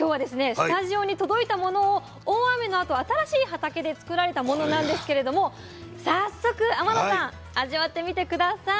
スタジオに届いたものを大雨のあと新しい畑で作られたものなんですけれども早速天野さん味わってみて下さい。